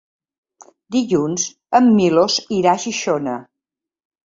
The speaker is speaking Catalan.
Dilluns en Milos irà a Xixona.